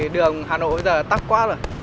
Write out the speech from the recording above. đường hà nội bây giờ tắt quá rồi